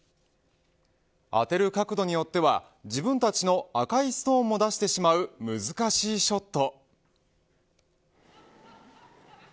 当てる角度によっては自分たちの赤いストーンも出してしまう難しいショット。